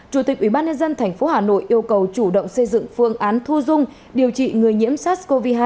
chủ tịch ubnd tp hà nội yêu cầu chủ động xây dựng phương án thu dung điều trị người nhiễm sars cov hai